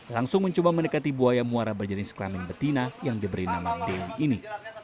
langsung mencoba mendekati buaya muara berjenis kelamin betina yang diberi nama dewi ini